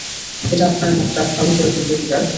এটা আপনার মনটা ভালো করে তুলবে, পিটার।